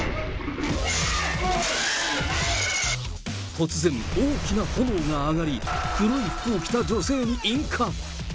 突然、大きな炎が上がり、黒い服を着た女性に引火。